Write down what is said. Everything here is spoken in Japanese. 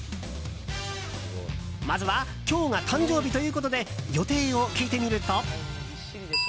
まずは今日が誕生日ということで予定を聞いてみると。